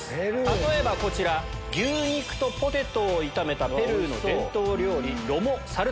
例えば牛肉とポテトを炒めたペルーの伝統料理。